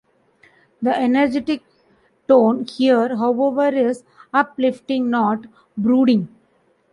The energetic tone here, however, is uplifting-not brooding.